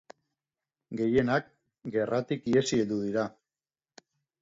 Gehienak gerratik ihesi heldu dira.